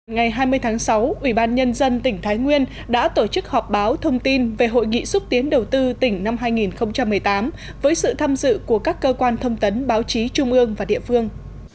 ngày hai mươi tháng sáu ubnd tỉnh thái nguyên đã tổ chức họp báo thông tin về hội nghị xúc tiến đầu tư tỉnh năm hai nghìn một mươi tám với sự tham dự của các cơ quan thông tấn báo chí trung ương và địa phương